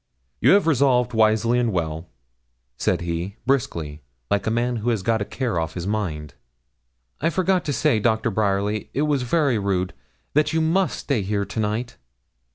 'You have resolved wisely and well,' said he, briskly, like a man who has got a care off his mind. 'I forgot to say, Doctor Bryerly it was very rude that you must stay here to night.'